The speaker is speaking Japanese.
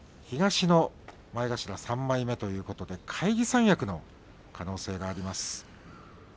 東の前頭３枚目ということで返り三役の可能性があります。